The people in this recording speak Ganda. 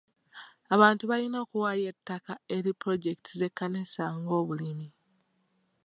Abantu balina okuwaayo ettaka eri pulojekiti z'ekkanisa ng'obulimi.